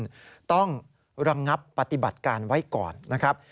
น้ำสูงขึ้นต้องรังงับปฏิบัติการไว้ก่อนนะครับ